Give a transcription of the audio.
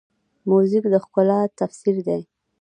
موزیک د ښکلا تفسیر دی.